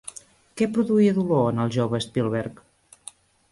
Què produïa dolor en el jove Spielberg?